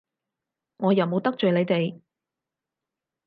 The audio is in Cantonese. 我又冇得罪你哋！